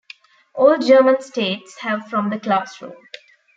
All German States have from the classroom.